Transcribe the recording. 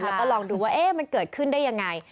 แล้วก็ลองดูว่ามันเกิดขึ้นได้ยังไง